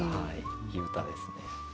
いい歌ですね。